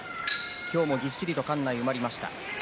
今日もぎっしりと館内埋まりました。